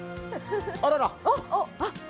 あらら。